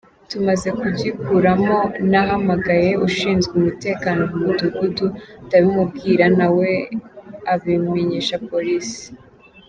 Tumaze kugikuramo nahamagaye ushinzwe umutekano mu mudugudu ndabimubwira, na we abimenyesha polisi”.